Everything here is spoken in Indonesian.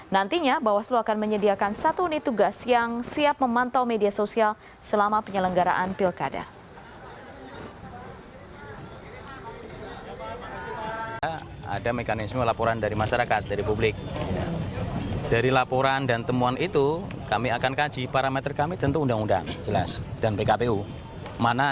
nantinya bawaslu akan menyediakan satu unit tugas yang siap memantau media sosial selama penyelenggaraan pilkada